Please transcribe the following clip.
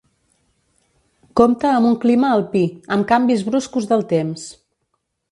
Compta amb un clima alpí, amb canvis bruscos del temps.